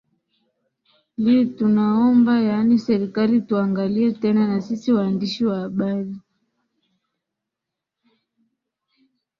li tunaomba yaani serikali ituangalie tena na sisi waandishi wa habari